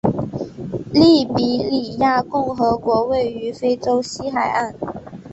利比里亚共和国位于非洲西海岸。